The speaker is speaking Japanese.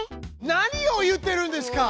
何を言ってるんですか！